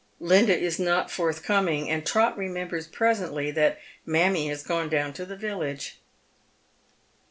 Linda is not forthcoming, and Trot remembers presently that mammie has gone down to the village.